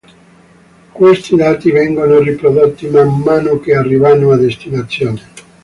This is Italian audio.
Questi dati vengono riprodotti man mano che arrivano a destinazione.